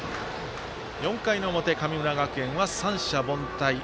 ４回の表、神村学園は三者凡退。